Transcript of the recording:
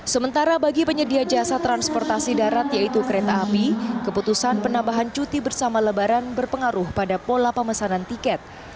sementara bagi penyedia jasa transportasi darat yaitu kereta api keputusan penambahan cuti bersama lebaran berpengaruh pada pola pemesanan tiket